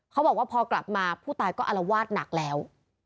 เขาบอกว่าพอกลับมาผู้ตายก็อารวาสหนักแล้ว